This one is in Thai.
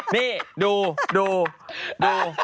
นี่ดูดูดู